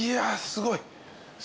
すごい！